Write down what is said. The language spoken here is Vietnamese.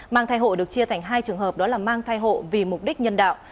mang thai hộ được chia thành hai trường hợp đó là mang thai hộ vì mục đích nhân đạo